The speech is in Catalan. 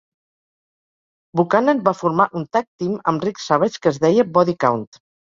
Buchanan va formar un "tag team" amb Ric Savage que es deia "Body Count".